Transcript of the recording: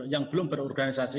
yang belum berorganisasi